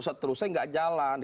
seterusnya tidak jalan